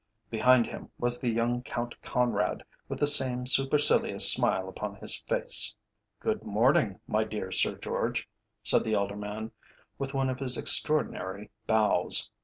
Behind him was the young Count Conrad, with the same supercilious smile upon his face. "Good morning, my dear Sir George," said the elder man, with one of his extraordinary bows.